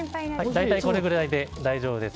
大体これぐらいで大丈夫です。